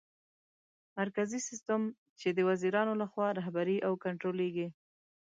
مرکزي سیستم : چي د وزیرانو لخوا رهبري او کنټرولېږي